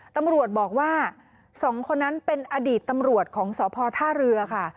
ตำรวจบอกว่า๒คนนั้นเป็นอดีตตำรวจของสพท่าเรือค่ะ